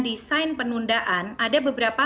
desain penundaan ada beberapa